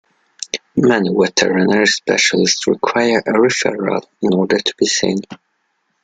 Many Veterinary Specialists require a referral in order to be seen.